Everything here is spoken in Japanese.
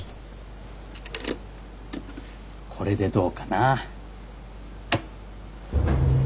これでどうかな。